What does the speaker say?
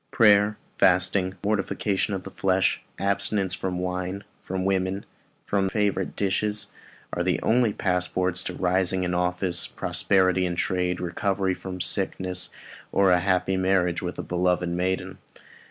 Prayer and fasting, mortification of the flesh, abstinence from wine, from women, and from favourite dishes, are the only passports to rising in office, prosperity in trade, recovery from sickness, or a happy marriage with a beloved maiden.